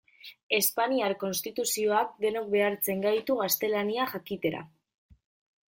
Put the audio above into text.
Espainiar Konstituzioak denok behartzen gaitu gaztelania jakitera.